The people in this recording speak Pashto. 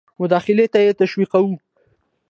مداخلې ته یې تشویقاوه.